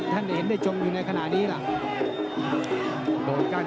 โอ้โหแดงโชว์แล้วโชว์อีกเลยเดี๋ยวดูผู้ดอลก่อน